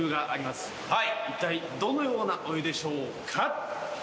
一体どのようなお湯でしょうか？